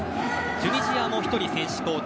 チュニジアも１人、選手交代。